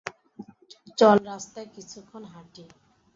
চল, রাস্তায় কিছুক্ষণ হাঁটি।